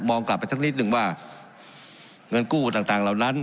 กลับไปสักนิดนึงว่าเงินกู้ต่างเหล่านั้น